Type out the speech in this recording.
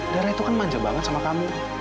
darah itu kan manja banget sama kamu